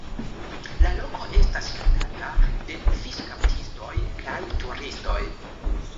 La loko estas ŝatata de fiŝkaptistoj kaj turistoj.